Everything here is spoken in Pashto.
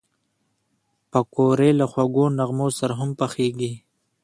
پکورې له خوږو نغمو سره هم پخېږي